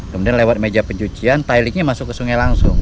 kemudian lewat meja pencucian tiliknya masuk ke sungai langsung